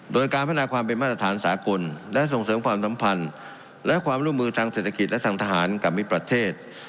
โดยการพัฒนาความเป็นมาตรฐานสากลและส่งเสริมความสัมพันธ์และความร่วมมือทางเศรษฐกิจและทางทหารกับมิตรประเทศ